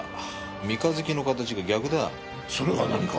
それが何か？